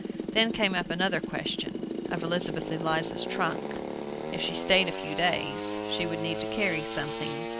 Then came up another question, of Elizabeth Eliza's trunk. If she stayed a few days, she would need to carry something.